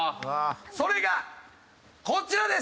それがこちらです！